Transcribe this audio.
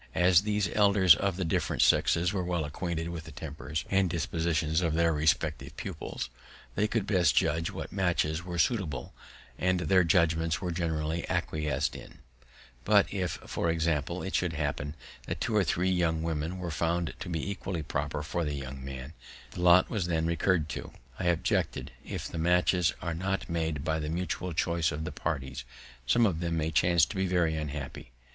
As these elders of the different sexes were well acquainted with the tempers and dispositions of their respective pupils, they could best judge what matches were suitable, and their judgments were generally acquiesc'd in; but if, for example, it should happen that two or three young women were found to be equally proper for the young man, the lot was then recurred to. I objected, if the matches are not made by the mutual choice of the parties, some of them may chance to be very unhappy.